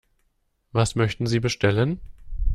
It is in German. Was möchten Sie bestellen?